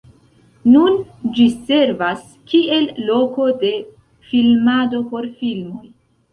Nun ĝi servas kiel loko de filmado por filmoj.